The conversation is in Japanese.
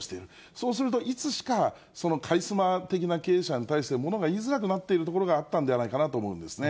そうすると、いつしかそのカリスマ的な経営者に対して、ものが言いづらくなっているところがあったんではないかなと思うんですね。